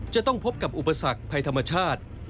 จะต้องพบกับอุปสรรคภัยธรรมชาติ